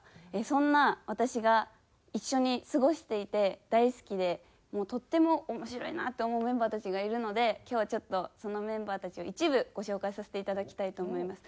そんな私が一緒に過ごしていて大好きでとっても面白いなと思うメンバーたちがいるので今日はちょっとそのメンバーたちを一部ご紹介させていただきたいと思います。